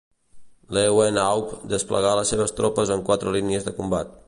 Lewenhaupt desplegà les seves tropes en quatre línies de combat.